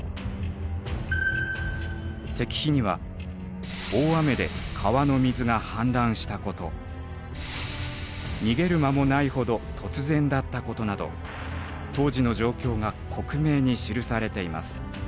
石碑には大雨で川の水が氾濫したこと逃げる間もないほど突然だったことなど当時の状況が克明に記されています。